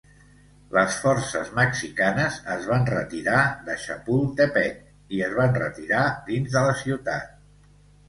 Les forces mexicanes es van retirar de Chapultepec i es van retirar dins de la ciutat.